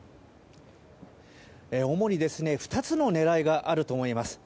主に２つの狙いがあると思います。